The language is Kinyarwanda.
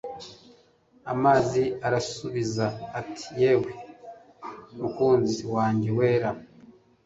Amazi arasubiza ati Yewe mukunzi wanjye wera